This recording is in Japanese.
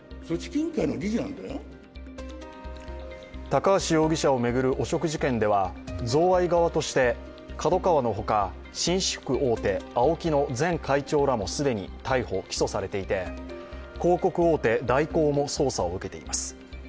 高橋容疑者を巡る汚職事件では贈賄側としてＫＡＤＯＫＡＷＡのほか、紳士服大手、ＡＯＫＩの前会長らも既に逮捕・起訴されていて広告大手、大広も捜査を受けています。